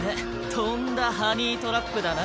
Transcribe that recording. とんだハニートラップだな。